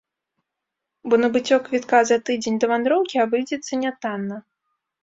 Бо набыццё квітка за тыдзень да вандроўкі абыдзецца нятанна.